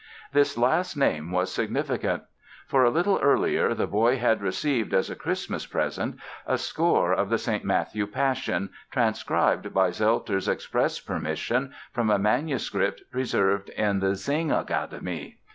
This last name was significant. For a little earlier the boy had received as a Christmas present a score of the "St. Matthew Passion" transcribed by Zelter's express permission from a manuscript preserved in the Singakademie.